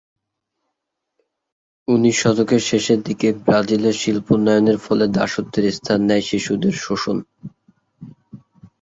উনিশ শতকের শেষের দিকে, ব্রাজিলে শিল্পায়নের ফলে দাসত্বের স্থান নেয় শিশুদের শোষণ।